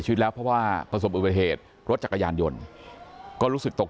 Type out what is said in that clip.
ชีวิตแล้วเพราะว่าประสบอุบัติเหตุรถจักรยานยนต์ก็รู้สึกตก